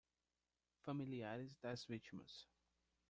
Familiares das vítimas